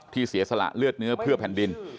เสียสละเลือดเนื้อเพื่อแผ่นดิน